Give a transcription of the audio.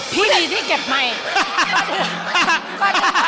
พี่มีที่เก็บไมค์